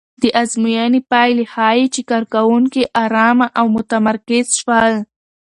د ازموینې پایلې ښيي چې کارکوونکي ارامه او متمرکز شول.